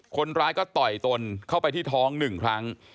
คนร้ายก็ต่อยตนเข้าไปที่ท้อง๑ครั้ง